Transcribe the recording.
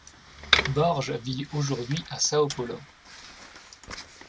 Borges vit aujourd'hui à São Paulo.